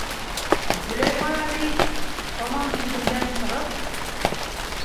Зөләйха әбей, тамам түҙемдән сығып: